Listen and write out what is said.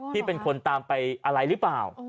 ที่เป็นคนตามไปอะไรหรือเปล่า